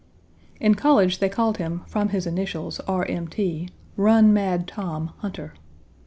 In college they called him from his initials, R. M. T., "Run Mad Tom" Hunter.